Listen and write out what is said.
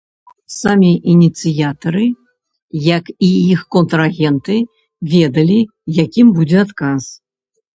Самі ініцыятары, як і іх контрагенты, ведалі, якім будзе адказ.